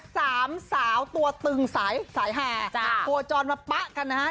สามสาวตัวตึงสายสายแห่จ้ะโคจรมาปะกันนะฮะ